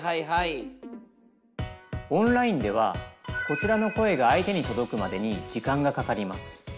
オンラインではこちらの声が相手に届くまでに時間がかかります。